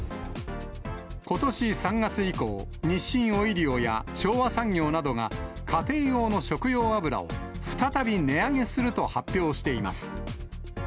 ことし３月以降、日清オイリオや昭和産業などが、家庭用の食用油を、再び値上げすると発表しています。